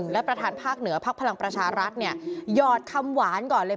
และประธานภาคเหนือพักพลังประชารัฐเนี่ยหยอดคำหวานก่อนเลย